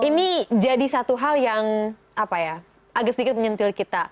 ini jadi satu hal yang agak sedikit menyentil kita